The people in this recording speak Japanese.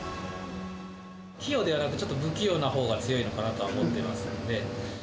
器用ではなくて、ちょっと不器用なほうが強いのかなと思ってますんで。